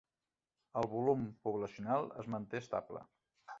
El volum poblacional es manté estable.